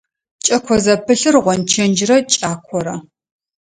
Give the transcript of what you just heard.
Кӏэко зэпылъыр – гъончэджрэ кӏакорэ.